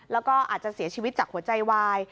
แล้วก็อาจจะเสียชีวิตจากหัวใจวาย